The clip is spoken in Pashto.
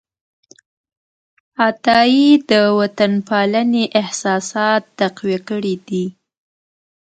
عطايي د وطنپالنې احساسات تقویه کړي دي.